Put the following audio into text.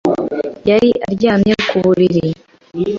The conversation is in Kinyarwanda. Yari aryamye ku buriri.